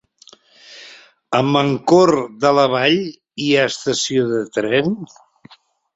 A Mancor de la Vall hi ha estació de tren?